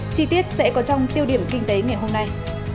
chi tiết sẽ có trong tiêu điểm kinh tế ngày hôm nay